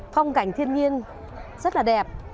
phong cảnh thiên nhiên rất là đẹp